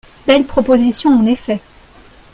Belle proposition en effet